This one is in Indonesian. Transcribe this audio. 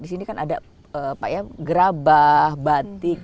di sini kan ada gerabah batik